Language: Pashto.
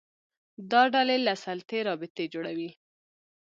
دا ډلې له سلطې رابطه جوړوي